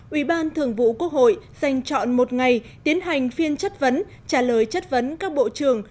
ủy ban thường vụ quốc hội dành chọn một ngày tiến hành phiên chất vấn trả lời chất vấn các bộ trưởng